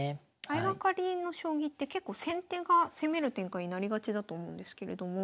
相掛かりの将棋って結構先手が攻める展開になりがちだと思うんですけれども。